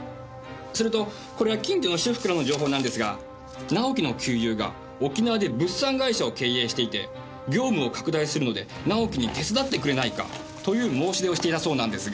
それとこれは近所の主婦からの情報なんですが直樹の旧友が沖縄で物産会社を経営していて業務を拡大するので直樹に手伝ってくれないかという申し出をしていたそうなんですが。